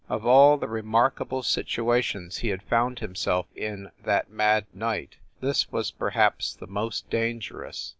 Of all the remarkable situations he had found himself in that mad night, this was perhaps the most dangerous.